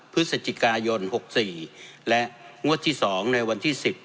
พฤษจิกายนหกสี่และงวดที่สองในวันที่สิบ